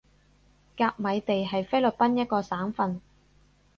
甲米地係菲律賓一個省份